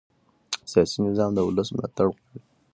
سیاسي نظام د ولس ملاتړ غواړي